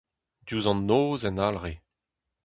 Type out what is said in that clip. Diouzh an noz en Alre.